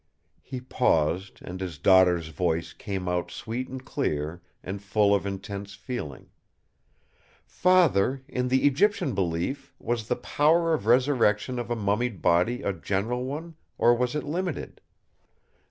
He paused, and his daughter's voice came out sweet and clear, and full of intense feeling: "Father, in the Egyptian belief, was the power of resurrection of a mummied body a general one, or was it limited?